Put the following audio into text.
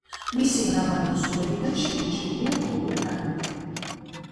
მისი მრავალი თხზულებიდან შემორჩენილია მხოლოდ ფრაგმენტები.